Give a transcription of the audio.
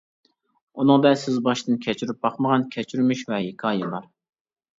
ئۇنىڭدا سىز باشتىن كەچۈرۈپ باقمىغان كەچۈرمىش ۋە ھېكايە بار.